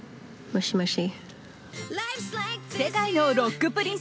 もしもし。